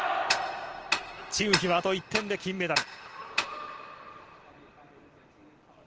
チン・ウヒはあと１点で金メダル。